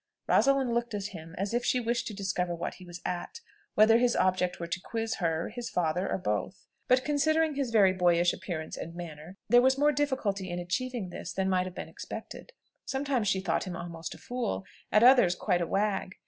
Rosalind looked at him as if she wished to discover what he was at, whether his object were to quiz her, his father, or both. But considering his very boyish appearance and manner, there was more difficulty in achieving this than might have been expected. Sometimes she thought him almost a fool; at others, quite a wag.